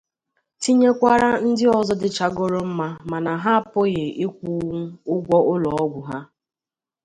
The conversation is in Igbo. tinyekwara ndị ọzọ dịchagoro mma mana ha apụghị ịkwụnwu ụgwọ ụlọọgwụ ha